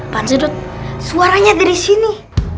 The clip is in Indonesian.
pan sedot suaranya dari sini